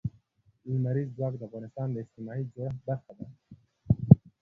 لمریز ځواک د افغانستان د اجتماعي جوړښت برخه ده.